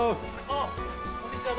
ああこんにちは。